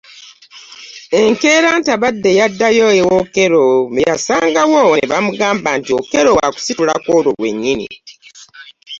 Enkeera Ntabadde yaddayo ewa Okello be yasangawo ne bamugamba nti Okello waakusitula ku olwo lw'ennyini